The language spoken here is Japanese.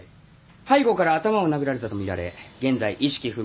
背後から頭を殴られたと見られ現在意識不明の重体。